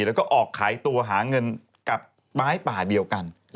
แล้วก็ออกขายตัวหาเงินกับไม้ป่าเดียวกัน